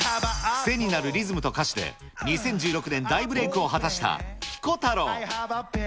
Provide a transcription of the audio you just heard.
癖になるリズムと歌詞で、２０１６年大ブレイクを果たしたピコ太郎。